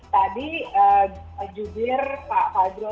tadi jubir pak fadro